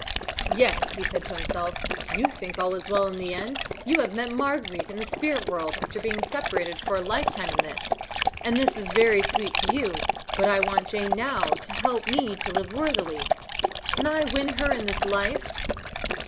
"Yes," said he to himself, "you think all is well in the end; you have met Marguerite in the spirit world, after being separated for a lifetime in this, and this is very sweet to you; but I want Jane now to help me to live worthily. Can I win her in this life?"